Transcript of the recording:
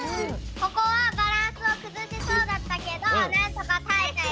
ここはバランスをくずしそうだったけどなんとかたえたよ。